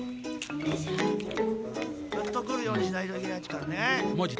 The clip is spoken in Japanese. グッとくるようにしないといけないっちからね。